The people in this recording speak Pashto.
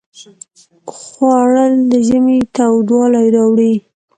خوړل د ژمي تودوالی راوړي